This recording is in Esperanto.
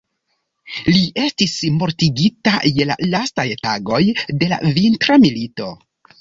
Li estis mortigita je la lastaj tagoj de la Vintra milito.